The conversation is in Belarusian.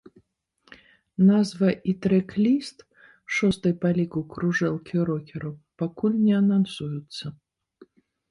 Назва і трэк-ліст шостай па ліку кружэлкі рокераў пакуль не анансуюцца.